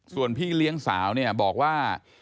ส่วนพี่เลี้ยงสาวเนี่ยบอกว่า